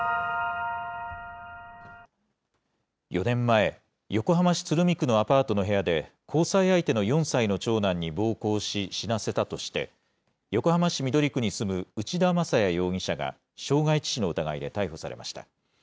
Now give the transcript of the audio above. ４年前、横浜市鶴見区のアパートの部屋で、交際相手の４歳の長男に暴行し、死なせたとして、横浜市緑区に住む内田正也容疑者が傷害致死の疑いで逮捕されました。